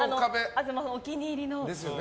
東さん、お気に入りの。